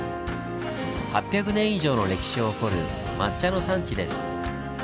８００年以上の歴史を誇る抹茶の産地です。